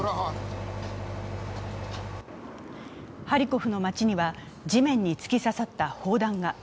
ハリコフの街には地面に突き刺さった砲弾が。